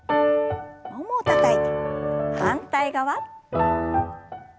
ももをたたいて反対側。